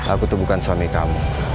aku tuh bukan suami kamu